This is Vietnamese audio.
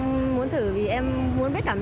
em muốn thử vì em muốn biết cảm giác